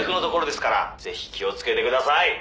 ぜひ気を付けてください。